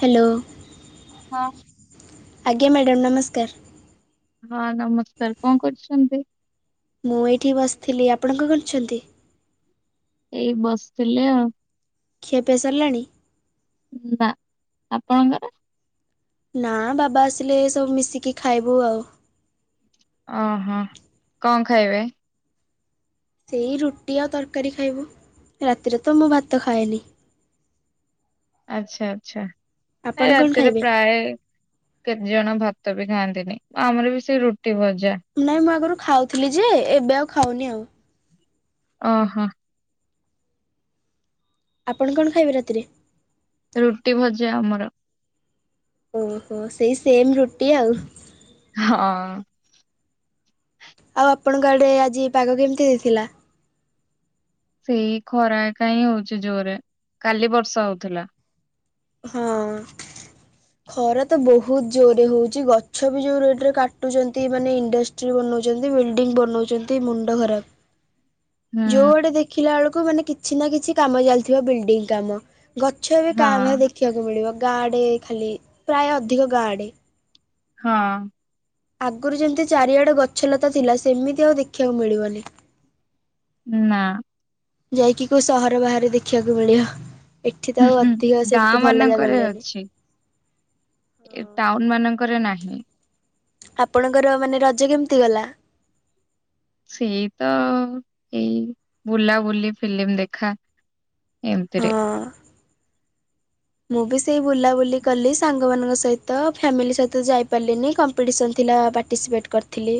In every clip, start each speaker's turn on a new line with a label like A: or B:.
A: Hello?
B: ହଁ।
A: ଆଜ୍ଞା madam ନମସ୍କାର।
B: ହଁ ନମସ୍କାର କଣ କରୁଛନ୍ତି?
A: ମୁଁ ଏଇଠି ବସିଥିଲି ଆପଣ କଣ କରଛନ୍ତି?
B: ଏଇ ବସିଥିଲି ଆଉ
A: ଖୀଆ ପିଆ ସରିଲାଣି?
B: ନା ଆପଣଙ୍କର?
A: ନା ବାବା ଆସିଲେ ସବୁ ମିଶିକି ଖାଇବୁ ଆଉ
B: ଓହୋ କଣ ଖାଇବେ?
A: ସେଇ ରୁଟି ଆଉ ତରକାରୀ ଖାଇବୁ ରାତିରେ ତ ମୁ ଭାତ ଖାଏନି।
B: ଆଚ୍ଛା ଆଚ୍ଛା
A: ଆପଣ କଣ
B: ରାତିରେ
A: ଖାଇବେ
B: ପ୍ରାୟ କେତେ ଜଣ ଭାତ ବି ଖାଆନ୍ତିନି ଆମର ବି ସେଇ ରୁଟି ଭଜା।
A: ନାଇଁ ମୁଁ ଆଗରୁ ଖାଉଥିଲି ଯେ ଏବେ ଆଉ ଖାଉନି ଆଉ
B: ଓହୋ।
A: ଆପଣ କଣ ଖାଇବେ ରାତିରେ?
B: ରୁଟି ଭଜା ଆମର।
A: ଓହୋ ସେଇ ସେମ ରୁଟି ଆଉ।
B: ହଁ।
A: ଆଉ ଆପଣଙ୍କ ଆଡେ ଆଜି ପାଗ କେମିତି ଦେଇଥିଲା?
B: ସେଇ ଖରା ଏକା ହିଁ ହଉଛି ଜୋରରେ କାଲି ବର୍ଷା ହଉଥିଲା।
A: ହଁ। ଖରା ତ ବହୁତ ଜୋରରେ ହଉଛି ଗଛ ବି ଯୋଉ ରେଟ ରେ କାଟୁଛନ୍ତି ମାନେ ଇଣ୍ଡଷ୍ଟି ଚି ବନାଉଛନ୍ତି ବିଲ୍ଡିଙ୍ଗ ବନାଉଛନ୍ତି ମୁଣ୍ଡ ଖରାପ
B: ହୁଁ
A: ଯୋଉଆଡେ ଦେଖିଲା ବେଳକୁ ମାନେ କିଛି ନା କିଛି କାମ ଚାଲିଥିବା ବିଲଡିଂ କାମ ଗଛ ଏବେ
B: ହଁ
A: କା ଭା ଦେଖିବାକୁ ମିଳିବ ଗାଁ ଆଡେ ଖାଲି ପ୍ରାୟ ଅଧିକ ଗାଁ ଆଡେ
B: ହଁ।
A: ଆଗରୁ ଯେମିତି ଚାରିଆଡେ ଗଛଲତା ଥିଲା ସେମିତି ଆଉ ଦେଖିବାକୁ ମିଳିବନି
B: ନା।
A: ଯାଇକି କୋଉ ସହର ବାହାରେ ଦେଖିବାକୁ ମିଳିବ ଏଠି ତ ଆଉ ଅଧିକ
B: ଗାଁ
A: ସେମିତି ଭଲ ଜାଗା
B: ମାନଙ୍କରେ
A: ମିଳିବନି।
B: ଏ ଟାଉନ ମାନଙ୍କରେ ନାହିଁ।
A: ଆପଣଙ୍କର ମାନେ ରଜ କେମିତି ଗଲା?
B: ସେଇ ତ ଏଇ ବୁଲାବୁଲି ଫିଲ୍ମ ଦେଖା ଏମିତିରେ
A: ହଁ ମୁଁ ବି ସେଇ ବୁଲାବୁଲି କଲି ସାଙ୍ଗମାନଙ୍କ ସହିତ ଫ୍ୟାମିଲି ସହିତ ଯାଇ ପାରିଲିନି କ କମ୍ପିଟିସନ୍ ଥିଲା ପାର୍ଟିସିପେଟ୍ କରିଥିଲି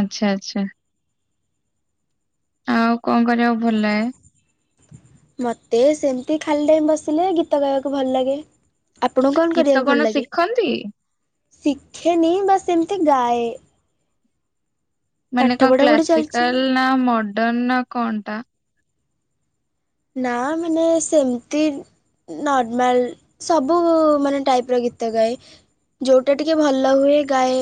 B: ଆଚ୍ଛା ଆଚ୍ଛା। ଆଉ କଣ କରିବାକୁ ଭଲ ଲାଗେ?
A: ମତେ ସେମିତି ଖାଲି ଟାଇମ ବସିଲେ ଗୀତ ଗାଇବାକୁ ଭଲ ଲାଗେ। ଆପଣଙ୍କୁ କଣ
B: ଗୀତ
A: କରିବାକୁ ଭଲ ଲାଗେ?
B: ଶିଖନ୍ତି
A: ଶିଖେନି ବା ସେମିତି ଗାଏ।
B: ମାନେ
A: ପାଠ
B: କଣ
A: ପଢ଼ାପଢ଼ି ଚାଲିଛି
B: କ୍ଲାସିକାଲ ନା ମଡର୍ଣ ନା କଣ ଟା?
A: ନା ମୁ ସେମିତି ନର୍ମାଲ ସବୁ ମାନେ ଟାଇପର ଗୀତ ଗାଏ। ଯୋଉଟା ଟିକେ ଭଲ ହୁଏ ଗାଏ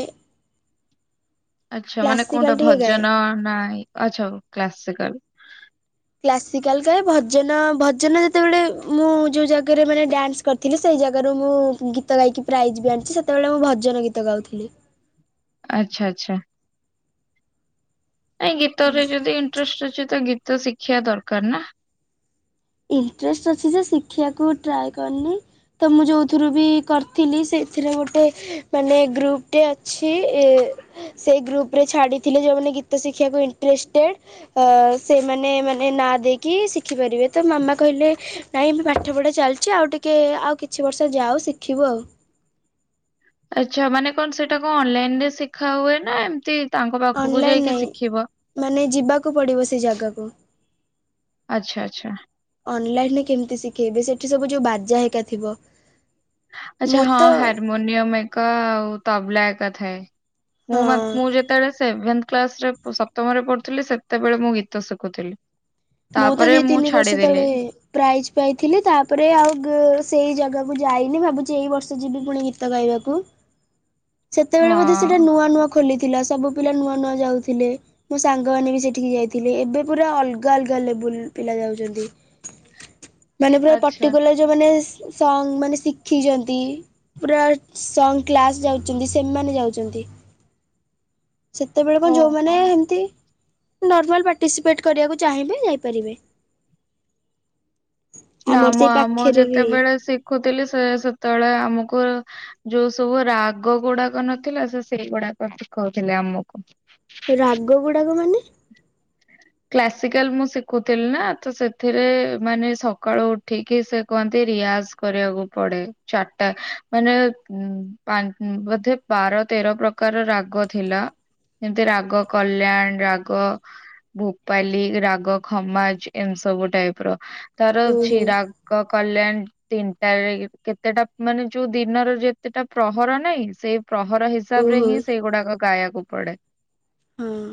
B: ଆଛା ମାନେ କୋଉଟା
A: କ୍ଲାସିକାଲ ଟିକେ ଗାଏ।
B: ଭଜନ ନାଇଁ ଆଛା ଆଉ କ୍ଲାସିକାଲ।
A: କ୍ଲାସିକାଲ କା ଭଜନ ଭଜନ ଯେତେବେଳେ ମୁଁ ଯୋଉ ଜାଗାରେ ମାନେ ଡନ୍ସ କରିଥିଲି ସେଇ ଜାଗାରୁ ମୁଁ ଗୀତ ଗାଇକି ପ୍ରାଇଜ ବି ଆଣିଛି ସେତେବେଳେ ମୁଁ ଭଜନ ଗୀତ ଗାଉଥିଲି।
B: ଆଛା [unintelligible] ଆଚ୍ଛା ଏ ଗୀତ ରେ ଯଦି ଇଣ୍ଟଷ୍ଟ [unintelligible] ଅଛି ତ ଗୀତ ଶିଖିବା ଦରକାର ନା?
A: ଇଣ୍ଟରେଷ୍ଟ ଅଛି ଯେ ଶିଖିବାକୁ ଟ୍ରାଏ କରିନି। ତ ମୁଁ ଯେଉଁଥିରୁ ବି କରିଥିଲି ସେଥିରେ ଗୋଟେ ମାନେ ଗ୍ରୁପ୍ଟେ ଅଛି ଏ ସେଇ ଗ୍ରୁପ ରେ ଛାଡ଼ିଥିଲେ ଯେଉଁମାନେ ଗୀତ ଶିଖିବାକୁ ଇଣ୍ଟରେଷ୍ଟେ ଅ ସେମାନେ ମାନେ ନା ଦେଇକି ଶିଖିପାରିବେ? ତ ମାମା କହିଲେ ନାଇଁ ପାଠ ପଢ଼ା ଚାଲିଛି ଆଉ ଟିକେ ଆଉ କିଛି ବର୍ଷ ଯାଉ ଶିଖିବୁ ଆଉ
B: ଆଚ୍ଛା ମାନେ କଣ ସେଇଟା କଣ ଅନଲାଇନ୍ ରେ ଶିଖା ହୁଏ ନା? ଏମିତି ତାଙ୍କ ପାଖକୁ
A: ଅନଲାଇନ୍
B: ଯାଇକି
A: ନାହିଁ
B: ଶିଖିବ
A: ମାନେ ଯିବାକୁ ପଡ଼ିବ ସେ ଜାଗାକୁ
B: ଆଚ୍ଛା ଆଚ୍ଛା
A: ଅନଲାଇନ୍ ରେ କେମିତି ଶିଖେଇବି ସେଠି ସବୁ ଯୋଉ ବାଜା ହେଇକା ଥିବ।
B: ଆଚ୍ଛା
A: ମୁଁ
B: ହଁ
A: ତ
B: ହାରମୋନିୟମ୍ ଏକ ଆଉ ତବଲା ଏକ ଥାଏ। ମୁଁ ମ
A: ହଁ
B: ମୁଁ ଯେତେବେଳେ ସେଭେନ୍ କ୍ଲାସ ରେ ସପ୍ତମରେ ପଢ଼ୁଥିଲି ସେତେବେଳେ ମୁଁ ଗୀତ ଶିଖୁଥିଲି।
A: ମୁଁ ତ ଦି
B: ତାପରେ
A: ତିନି ବର୍ଷ
B: ଛାଡିଦେଲି
A: ତଳେ ପ୍ରାଇଜ୍ ପାଇଥିଲି। ତାପରେ ଆଉ [unintelligible] ସେଇ ଜାଗାକୁ ଯାଇନି ଭାବୁଛି ଏଇ ବର୍ଷ ଯିବି ପୁଣି ଗୀ ଗୀତ ଗାଇବାକୁ ସେତେବେଳେ ବୋଧେ ସେଟା
B: ହଁ।
A: ନୂଆ ନୂଆ ଖୋଲିଥିଲା ସବୁ ପିଲା ନୂଆ ନୂଆ ଯାଉଥିଲେ। ମୋ ସାଙ୍ଗମାନେ ବି ସେଠିକି ଯାଇଥିଲେ ଏବେ ପୁରା ଅଲଗା ଲଗ [unintelligible] ଲେବୁଲ୍ ପିଲା ଯାଉଛନ୍ତି ମାନେ ପୁରା
B: ଆଚ୍ଛା।
A: ପଟିକୁଲାର ଯୋଉମାନେ ସଙ୍ଗ ମାନେ ଶିଖିଛନ୍ତି। ପୁରା ସଙ୍ଗ କ୍ଲାସ ଯାଉଛନ୍ତି ସେମାନେ ଯାଉଛନ୍ତି। ସେତେବେଳେ କଣ ଯୋଉମାନେ
B: ଓହୋ
A: ଏମତି ନର୍ମାଲ ପାଟି ଏସପେଟ୍ [unintelligible] କରିବାକୁ ଚାହିଁବେ ଯାଇପାରିବେ।
B: ନା
A: ଆମର
B: [unintelligible] ମୁଁ
A: ସେଇ
B: ଆମ
A: ପାଖରେ ବି
B: ଯେତେବେଳେ ଶିଖୁଥିଲି ସେ ସେତେବେଳେ ଆମକୁ ଯୋଉ ସବୁ ରାଗ ଗୁଡ଼ାକ ନଥିଲା ସେ ସେଇଗୁଡ଼ାକ ଦେଖଉଥିଲେ [inaudible] ଆମକୁ
A: ରାଗ ଗୁଡ଼ାକ ମାନେ
B: କ୍ଲାସିକାଲ୍ ମୁଁ ଶିଖୁଥିଲି ନା ତ ସେଥିରେ ମାନେ ସକାଳୁ ଉଠିକି ସେ କୁହନ୍ତି ରିଆଜ୍ କରିବାକୁ ପଡେ। ଚାରିଟା ମାନେ [unintelligible] ବୋଧେ ବାର ତେର ପ୍ରକାର ରାଗ ଥିଲା। ଯେମିତି ରାଗ କଲ୍ୟାଣ ରାଗ। ଭୋପାଲି ରାଗ, ଖମାଜ୍ ଏନ ସବୁ ଟାଇପ୍ ର ତାର ଅଛି
A: ଓହୋ
B: ରା ଗ କଲ୍ୟାଣ ତିନିଟାରେ [inaudible] କେତେଟା ମାନେ ଯୋଉ ଦିନର ଯେତେଟା ପ୍ରହର ନାହିଁ ସେଇ ପ୍ରହର ହିସାବ ହିସାବ ରେ
A: ଓହୋ
B: ହିଁ ସେଇଗୁଡ଼ାକ ଗାଇବାକୁ ପଡ଼େ।
A: ହଁ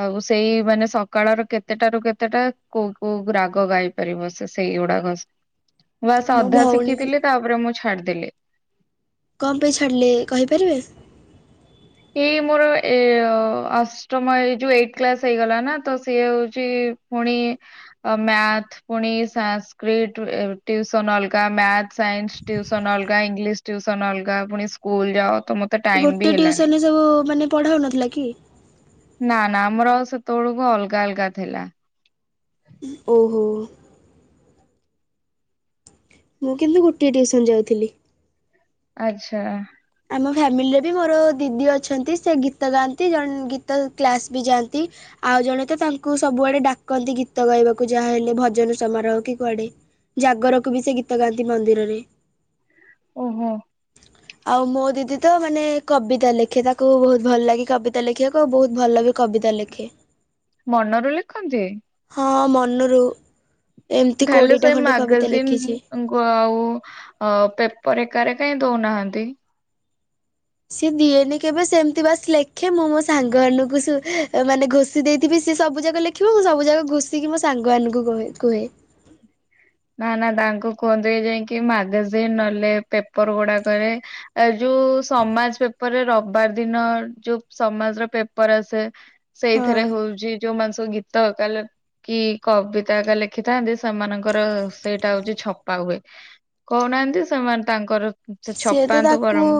B: ଆଉ ସେଇ ମାନେ ସକାଳର କେତେଟାରୁୁ କେତେଟା କୋଉ କୋଉ ରାଗ ଗାଇ ପାରିବ ସେ ସେଇଗୁଡାକ
A: ହ [inaudible]
B: ବା ସାଧା [unintelligible] ଶିଖିଥିଲି ତାପରେ ମୁଁ ଛାଡ଼ିଦେଲି।
A: କମ୍? ପାଇଁ ଛାଡ଼ିଲେ କହିପାରିବେ?
B: ଏଇ ମୋର ଏ ଅଷ୍ଟମ ଏ ଯୋଉ ଏଇଟ୍ କ୍ଲାସ ହେଇଗଲା ନା ତ ସିଏ ହଉଛି। ପୁଣି [unintelligible] ମ୍ୟାଥ୍। ପୁଣି ସଂସ୍କ୍ରିଟ [unintelligible] ଟିୁସନ୍ ଅଲଗା, ମ୍ୟାଥ ସାଇନ୍ସ ଟିୁସନ୍ ଅଲଗା, ଇଂଲିସ୍ ଟ୍ୟୁସନ୍ ଅଲଗା ପୁଣି ସ୍କୁଲ ଯାଅ ତତେ [unintelligible]
A: ଗୋଟେ ଟ୍ୟୁସନ୍ ରେ ସବୁ ମାନେ ପଢ଼ାଉନଥିଲା କି?
B: ନା ନା ଆମର ଆ ସେତେବେଳକୁ ଅଲଗା ଅଲଗା ଥିଲା।
A: ଓହୋ। ମୁଁ କିନ୍ତୁ ଗୋଟିଏ ଟିଉସନ ଯାଇଥିଲି।
B: ଆଚ୍ଛା।
A: ଆମ ଫ୍ୟାମିଲିରେ ବି ମୋର ଦିଦି ଅଛନ୍ତି ସେ ଗୀତ ଗାଆନ୍ତି ଜଣେ ଗୀତ କ୍ଲାସ୍ ବି ଯାଆନ୍ତି। ଆଉ ଜଣେ ତ ତାଙ୍କୁ ସବୁଆଡେ ଡାକନ୍ତି ଗୀତ ଗାଇବାକୁ ଯାହା ହେଲେ ଭଜନ ସମାରୋହ କି କୁଆଡେ। ଜାଗରକୁ ବି ସେ ଗୀତ ଗାଆନ୍ତି ମନ୍ଦିରରେ।
B: ଓହୋ।
A: ଆଉ ମୋ ଦିଦି ତ ମାନେ କବିତା ଲେଖେ ତାକୁ ବହୁତ ଭଲ ଲାଗେ କବିତା ଲେଖିବାକୁ ବହୁତ ଭଲ ବି କବିତା ଲେଖେ।
B: ମନରୁ ଲେଖନ୍ତି?
A: ହଁ ମନରୁ ଏମିତି କୋଡ଼ିଏଟା ଖଣ୍ଡେ କବିତା ଲେଖିଚି।
B: ଉଂ [unintelligible] ଆଉ ଅ ପେପର ଏକାରେ କାଇଁ ଦଉନାହାନ୍ତି।
A: ସିଏ ଦିଏନି କେବେ ସେମିତି ବାସ ଲେଖେ ମୁଁ ମୋ ସାଙ୍ଗମାନଙ୍କୁ ସୁ ମାନେ ଘୋଷ ସେ ଦେଇଥିବି ସେ ସବୁ ଯାକ ଲେଖିବ ମୁଁ ସବୁ ଯାକ ଘୁଷିକି ମୋ ସାଙ୍ଗମାନଙ୍କୁ କହେ କୁହେ।
B: ନା ନା ତାଙ୍କୁ କୁହନ୍ତିୁ ଯାଇକି ମାଗାଜିନ ନହେଲେ ପେପର ଗୁଡାକରେ। ଏ ଯୋଉ ସମାଜ ପେପରରେ ରବିବାର ଦିନ ଯୋଉ ସମାଜର ପେପର ଆସେ।
A: ହଁ
B: ସେଇଥିରେ ହଉଚି ଯୋଉ ମାନେ ସବୁ ଗୀ ତ କାଲେ କି କବିତା ହେକ ଲେଖିଥାନ୍ତି ସେମାନଙ୍କର ସେଇଟା ହଉଛି ଛପା ହୁଏ କହୁନାହାନ୍ତି ସେମାନେ ତାଙ୍କର। ସେ
A: ସିଏ ତ
B: ଛପାନ୍ତୁ
A: ତାକୁ
B: ଗରମ।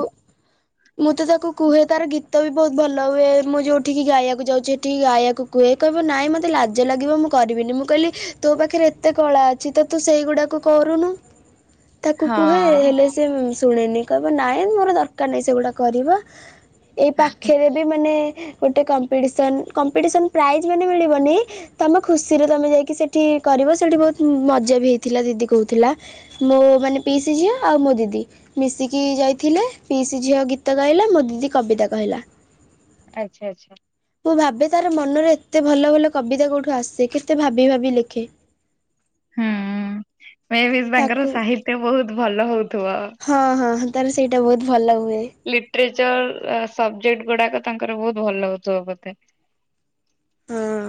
A: ମୁଁ ତ ତାକୁ କୁହେ ତାର ଗୀତ ବି ବହୁତ ଭଲ ହୁଏ ମୁଁ ଯୋଉଠିକି ଗାଇବାକୁ ଯାଉଚି ହେଠିକି ଗାଇବାକୁ। କୁହେ କହିବ ନାଇଁ ମତେ ଲାଜ ଲାଗିବ ମୁଁ କରିବିନି ମୁଁ କହିଲି ତୋ ପାଖରେ ଏତେ କଳା ଅ ଅଛି ତ ତୁ ସେଇଗୁଡ଼ାକୁ କରୁନୁ। ତାକୁ
B: ହଁ।
A: କୁହେ ହେଲେ ସେ ଶୁଣେନି କହିବ ନାଇଁ ମୋର ଦରକାର ନାହିଁ ସେଗୁଡ଼ା କରିବା। ଏଇ ପାଖେରେ ବି ମାନେ ଗୋଟେ କମ୍ପିଟିସ କମ୍ପିଟିସ ପ୍ରାଇଜ ମାନେ ମିଳିବନି। ତମେ ଖୁସିରେ ତମେ ଯାଇକି ସେଠି କରିବ ସେଠି ବହୁତ ମଜା ବି ହେଇଥିଲା ଦିଦି କହୁଥିଲା। ମୋ ମାନେ ପିଇସି ଝିଅ ଆଉ ମୋ ଦିଦି। ମିଶିକି ଯାଇଥିଲେ ପିଇସିି ଝିଅ ଗୀତ ଗାଇଲା ମୋ ଦିଦି କବିତା କହିଲା।
B: ଆଚ୍ଛା ଆଚ୍ଛା।
A: ମୁଁ ଭାବେ ତାର ମନରେ ଏତେ ଭଲ ଭଲ କବିତା କୋଉଠୁ ଆସେ କେତେ ଭାବି ଭାବି ଲେଖେ?
B: ହୁଁ ମେଁ ବି
A: ତାକୁ
B: ତାଙ୍କର ସାହିତ୍ୟ ବହୁତ ଭଲ ହଉଥିବ।
A: ହଁ ହଁ ତାର ସେଇଟା ବହୁତ ଭଲ ହୁଏ।
B: ଲିଟରେଚର ସବଜେକ୍ଟ ଗୁଡାକ ତାଙ୍କର ବହୁତ ଭଲ ହଉଥବ ବୋଧେ?
A: ହଁ।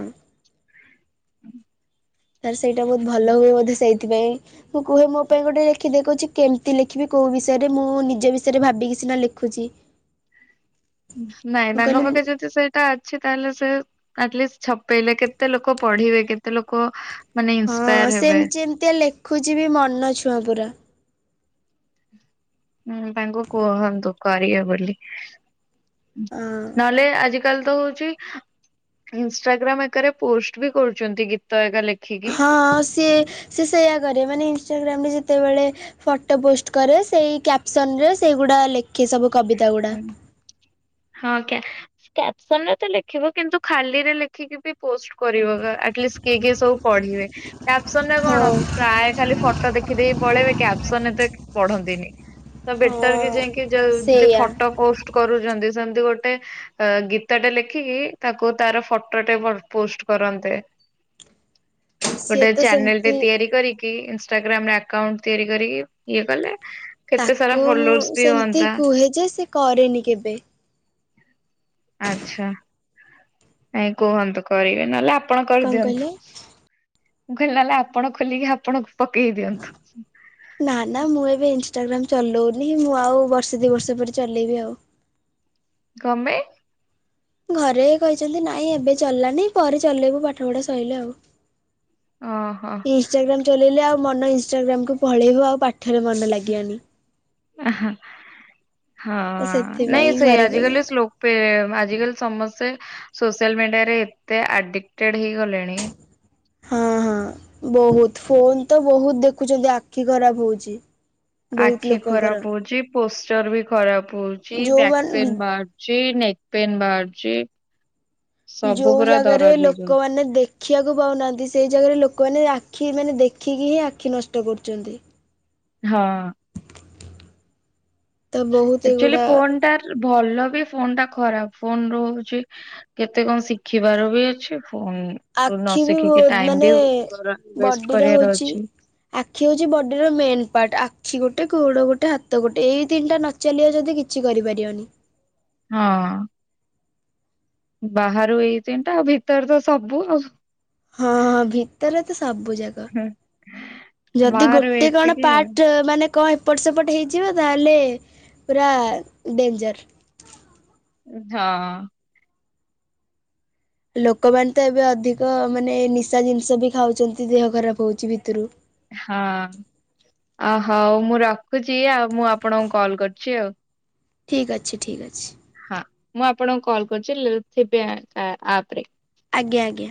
A: ତାର ସେଇଟା ବହୁତ ଭଲ ହୁଏ ବୋଧେ ସେଇଥିପାଇଁ। ମୁଁ କୁହେ ମୋ ପାଇଁ ଗୋଟେ ଲେଖିଦେ କହୁଛି କେମିତି ଲେଖିବି କୋଉ ବିଷୟରେ ମୁଁ ନିଜ ବିଷୟରେ ଭାବିକିି ସିନା ଲେ ଖୋଜି
B: ନାଇଁ ତାଙ୍କ ପାଖେ ଯତି ସେ ଟା ଅଛି ତାହେଲେ ସେ ଆଟଲିଷ୍ଟ ଛପେଇଲେ କେତେ ଲୋକ ପଢିବେ କେତେ ଲୋକ ମାନେ ଇ
A: ହଁ ସେମତି ଯେମିତିଆ ଲେଖୁଚି ବି ମନ ଛୁଆଁ ପୁରା।
B: ହୁଁ ତାଙ୍କୁ କୁହନ୍ତୁ କରିବେ ବୋଲି
A: ହଁ
B: ନହେଲେ ଆଜି କାଲି ତ ହଉଛି ଇନଷ୍ଟାଗ୍ରାମ ଏକାରେ ପୋଷ୍ଟ ବି କରୁଛନ୍ତି ଗୀତ ଏକା ଲେଖିକି।
A: ହଁ ସିଏ ସିଏ ସେୟା କରେ ମାନେ ଇନଷ୍ଟାଗ୍ରାମରେ ଯେତେବେଳେ ଫଟୋ ପୋଷ୍ଟ କରେ, ସେଇ କ୍ୟାପସନ ରେ ସେଇଗୁଡା ଲେଖେ ସବୁ କବିତା ଗୁଡା।
B: ହଁ କ୍ୟାପସନରେ ତ ଲେଖିବ, କିନ୍ତୁ ଖାଲିରେ ଲେଖିକି ବି ପୋଷ୍ଟ କରିବ। ଆଟଲିଷ୍ଟ କିଏ କିଏ ସବୁ ପଢିବେ କ୍ୟାପ୍ସନରେ କଣ
A: ହଁ
B: ପ୍ରାୟ ଖାଲି ଫ ଫଟ ଦେଖିଦେଇକି ପଳେଇବେ, କ୍ୟାପସନ ଏତେ ପଢନ୍ତିନି, ତ
A: ହଁ
B: ବେଟର କି ଯାଇକି ଯ
A: ସେଇଆ
B: ପୋଷ୍ଟ କରୁଛନ୍ତି ସେମତି ଗୋଟେ ଅ ଗୀତଟେ ଲେଖିକି ତାକୁ ତାର ଫଟୋଟେ ପୋଷ୍ଟ କରନ୍ତେ।
A: ସିଏ
B: ଗୋଟେ
A: ତ
B: ଚ୍ୟାନେଲ ଟେ
A: ସେମିତି
B: ତିଆରି କରିକି ଇନଷ୍ଟାଗ୍ରାମରେ ଆକାଉଣ୍ଟ ତିଆରି କରିକି ଇଏ କଲେ କେତେ ସାରା
A: ତାକୁ
B: ଫଲୋର୍ସ
A: ମୁଁ
B: ବି
A: ସେମିତି
B: ହୁଅନ୍ତା
A: କୁହେ ଯେ ସେ କରେନି କେବେ।
B: ଅଚ୍ଛା, ନାଇଁ କୁହନ୍ତୁ କରିବେ ନହେଲେ ଆପଣ
A: କଣ କହିଲେ?
B: କରିଦିଅନ୍ତୁ। ମୁଁ କହିଲି ନହେଲେ ଆପଣ ଖୋଲିକି ଆପଣଙ୍କୁ ପକେଇ ଦିଅନ୍ତୁ।
A: ନା ନା ମୁଁ ଏବେ ଇନଷ୍ଟାଗ୍ରାମ ଚଲଉନି, ମୁଁ ଆଉ ବର୍ଷେ ଦି ବର୍ଷ ପରେ ଚଲେଇବି ଆଉ।
B: କଣ ପାଇଁ?
A: ଘରେ କହିଛନ୍ତି ନାଇଁ ଏବେ ଚଲାନି ପରେ ଚଲେଇବୁ ପାଠ ପଢା ସଇଲେ ଆଉ।
B: ଓହୋ।
A: ଇନଷ୍ଟାଗ୍ରାମ୍ ଚଲେଇଲେ ଆଉ ମନ ଇନଷ୍ଟାଗ୍ରାମକୁ ପଳେଇବ ଆଉ ପାଠରେ ମନ ଲା ତ
B: ହଁ
A: ସେଥିପାଇଁ
B: ନାଇଁ ସେଇ
A: ଘରେ
B: ଆଜିିକାଲି
A: କହିଛନ୍ତି।
B: ସ୍ଲୋ [unintelligible] ଆଜିକାଲି ସମସ୍ତେ ସୋସିଆଲ ମିଡିଆରେ ଏତେ ଆଡିକଟେଡ ହେଇଗଲେଣି
A: ହଁ ହଁ ବହୁତ୍‌, ଫୋନ ତ ବହୁତ ଦେଖୁଛନ୍ତି ଆଖି ଖରାପ ହଉଛି। ବହୁତ
B: ଆଖି
A: ଲୋକଙ୍କର
B: ଖରାପ ହଉଛି, ପୋଷ୍ଟଚର ବି ଖରାପ ହଉଛି, ବ୍ୟାକ୍
A: ଯୋଉମାନେ
B: ପେନ୍ ବା ଚି ନେକ୍ ପେନ୍ ବାହାରଛି।
A: ଯୋଉ ଜାଗାରେ
B: ହେଇଯାଉଛି।
A: ଲୋକମାନେ ଦେ ଖିବାକୁ ପାଉନାହାନ୍ତି, ସେଇ ଜାଗାରେ ଲୋକମାନେ ଆଖି ମାନେ ଦେଖିକି ହିଁ ଆଖି ନଷ୍ଟ କରୁଛନ୍ତି।
B: ହଁ।
A: ତ ବହୁତ
B: ଆଚୁଆଲି
A: ଏଗୁଡା
B: ଫୋନଟା ଭଲ ବି ଫୋନ ଟା ଖରାପ ଫୋନ ରୁ ହଉଛି କେତେ କଣ ଶିଖିବାର ବି ଅଛି ଫ ନ
A: ଆଖି ବି
B: ଶିଖିକି
A: ବହୁତ
B: ଟାଇମ
A: ମାନେ
B: ବି ୱଷ୍ଟ
A: ବଡିର
B: କରିବାର
A: ହଉଛି
B: ଅଛି।
A: ଆଖି ହଉଛି ବଡି ର ମେନ୍ ପାର୍ଟ। ଆଖି ଗୋଟେ, ଗୋଡ ଗୋଟେ, ହାତ ଗୋଟେ ଏଇ ତିନିଟା ନ ଚାଲିବ ଯଦି କିଛି କରିପାରିବନି।
B: ହଁ। ବାହାରୁ ଏଇ ତିନିଟା ଆଉ ଭିତରେ ତ ସବୁ ଆଉ
A: ହଁ ହଁ ଭିତରେ ତ ସବୁ ଜାଗ। ଯଦି
B: ବାହାରୁ
A: ଗୋଟେ କଣ
B: ଏତିକି ଆଉ।
A: ପାର୍ଟ ମାନେ କଣ ଏପଟ ସେପଟ ହେଇଯିବ ତାହେଲେ ପୁରା ଡେନଞ୍ଜର।
B: ହଁ।
A: ଲୋକମାନେ ତ ଏବେ ଅଧିକ ମାନେ ନିଶା ଜିନିଷ ବି ଖାଉଛନ୍ତି ଦେହ ଖରାପ ହଉଛି ଭିତରୁ
B: ହଁ ଅ ହଉ ମୁଁ ରଖୁଛି ଆଉ ମୁଁ ଆପଣଙ୍କୁ କଲ୍ କରୁଛି ଆଉ।
A: ଠିକ୍ ଅଛି ଠିକ୍ ଅଛି।
B: ହଁ ମୁଁ ଆପଣଙ୍କୁ କଲ୍ କରୁଛି ଥିବି ଆପ ରେ
A: ଆଜ୍ଞା ଆଜ୍ଞା।